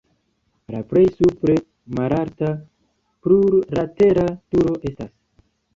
La plej supre malalta plurlatera turo estas.